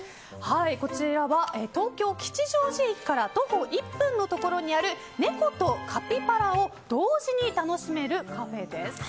こちらは東京・吉祥寺駅から徒歩１分のところにある猫とカピバラを同時に楽しめるカフェです。